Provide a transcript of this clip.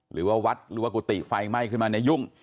หรือว่าวัดหรือว่ากุฏิไฟไหม้ขึ้นมาเนี่ยยุ่ง